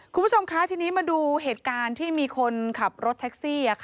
คุณผู้ชมคะทีนี้มาดูเหตุการณ์ที่มีคนขับรถแท็กซี่